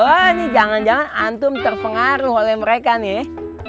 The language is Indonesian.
wah ini jangan jangan antum terpengaruh oleh mereka nih